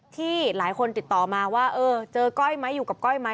ที่หลายคนติดต่อมาว่าเออเจอก้อยไหมอยู่กับก้อยไหม